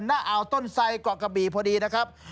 หน้าอาวต้นไสเกาะกระบีพอดีนะครับ